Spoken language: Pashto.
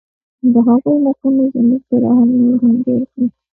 د هغوی مخونو زموږ ترحم نور هم ډېر کړ